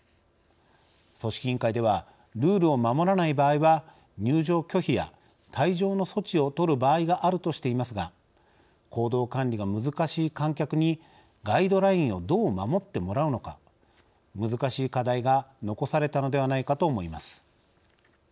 組織委員会ではルールを守らない場合は入場拒否や退場の措置を取る場合があるとしていますが行動管理が難しい観客にガイドラインをどう守ってもらうのか難しい課題が残されたのではないかと思います。